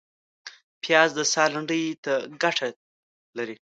پیاز د ساه لنډۍ ته ګټه لري